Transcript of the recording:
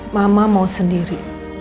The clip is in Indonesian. mama mau sendiri